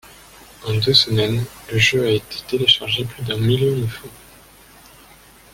En deux semaines, le jeu a été téléchargé plus d'un million de fois.